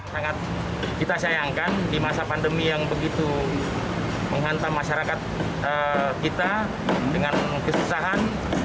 sangat kita sayangkan di masa pandemi yang begitu menghantam masyarakat kita dengan kesusahan